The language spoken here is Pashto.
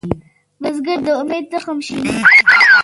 بزګر د امید تخم شیندي